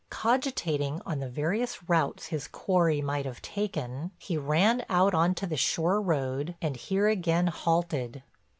Cogitating on the various routes his quarry might have taken, he ran out on to the shore road and here again halted.